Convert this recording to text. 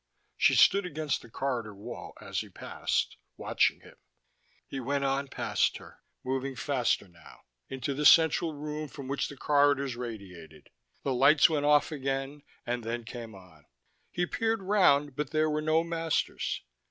She stood against the corridor wall as he passed, watching him. He went on past her, moving faster now, into the central room from which corridors radiated. The lights went off again and then came on: he peered round but there were no masters.